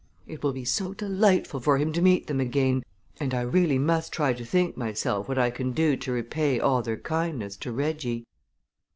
It will be so delightful for him to meet them again, and I really must try to think myself what I can do to repay all their kindness to Reggie."